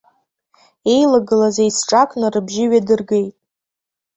Еилагылаз еицҿакны рыбжьы ҩадыргеит.